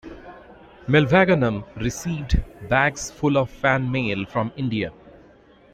Mylvaganam received bags full of fan mail from India.